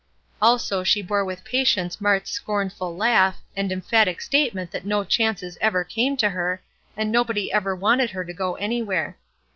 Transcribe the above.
Also she bore with patience Mart's scornful laugh, and emphatic statement that no chances ever came to her, and nobody ever wanted her to go anywhere.